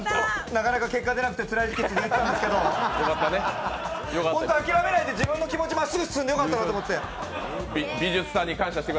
なかなか結果でなくてつらい時期が続いてたんですけどホント、諦めないで自分の気持ちまっすぐ進んでよかったなって。